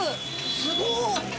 すごっ。